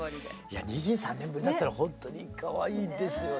いや２３年ぶりだったらほんとにかわいいですよね。